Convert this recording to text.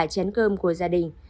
bán cơm của gia đình